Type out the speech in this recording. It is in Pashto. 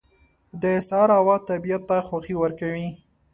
• د سهار هوا طبیعت ته خوښي ورکوي.